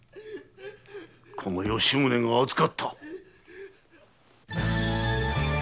この吉宗が預かった！